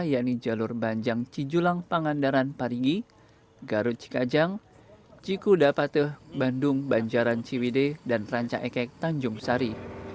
yakni jalur banjang cijulang pangandaran parigi garut cikajang cikudapatuh bandung banjaran ciwide dan ranca ekek tanjung sari